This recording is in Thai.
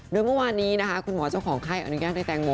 โดยเมื่อวานนี้นะคะคุณหมอเจ้าของไข้อนุญาตให้แตงโม